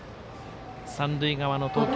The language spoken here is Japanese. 三塁側の投球